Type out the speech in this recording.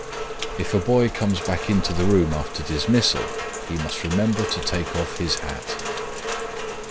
If a boy comes back into the room after dismissal, he must remember to take off his hat.